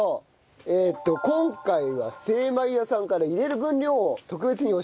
えっと今回は精まい家さんから入れる分量を特別に教えて頂きました。